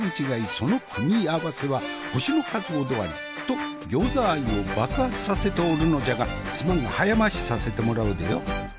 その組み合わせは星の数ほどありと餃子愛を爆発させておるのじゃがすまんが早回しさせてもらうでよ。